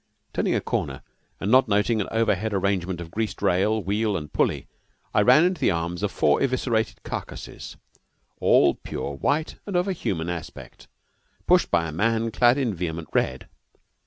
Turning a corner, and not noting an overhead arrangement of greased rail, wheel, and pulley, I ran into the arms of four eviscerated carcasses, all pure white and of a human aspect, pushed by a man clad in vehement red.